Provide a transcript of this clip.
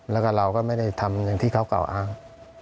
แล้วก็เราก็ไม่ได้ทำอย่างที่เขากล่าวอ้าง